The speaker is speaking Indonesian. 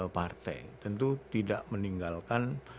partai tentu tidak meninggalkan